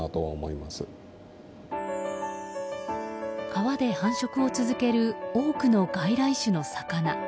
川で繁殖を続ける多くの外来種の魚。